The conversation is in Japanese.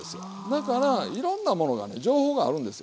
だからいろんなものがね情報があるんですよ。